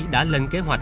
đã lên kế hoạch